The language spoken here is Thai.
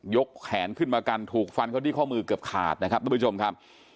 แขนขึ้นมากันถูกฟันเขาที่ข้อมือเกือบขาดนะครับทุกผู้ชมครับ